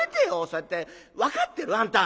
そうやって分かってる？あんた！」。